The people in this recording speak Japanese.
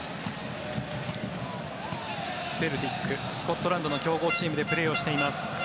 セルティックスコットランドの強豪チームでプレーをしています。